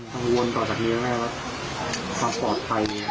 กังวลก่อนจากนี้นะแม่ครับความปลอดภัย